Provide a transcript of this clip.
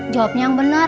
jawab nah yang bener